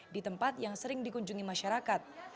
di tempat yang sering dikunjungi masyarakat